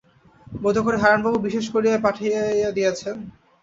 বোধ করি হারানবাবু বিশেষ করিয়াই পাঠাইয়া দিয়াছেন।